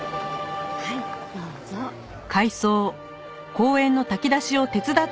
はいどうぞ。